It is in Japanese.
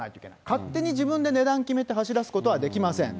勝手に値段決めて走らすことはできません。